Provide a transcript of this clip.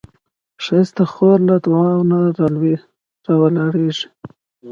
ښایست د خور له دعاوو نه راولاړیږي